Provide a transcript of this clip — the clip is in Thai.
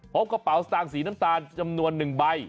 พบกระเป๋าสตางค์สีน้ำตาลจำนวน๑ใบ